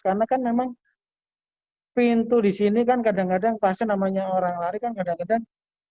karena kan memang pintu di sini kan kadang kadang pasien namanya orang lari kan kadang kadang